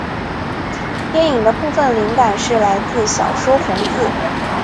电影的部份灵感是来自小说红字。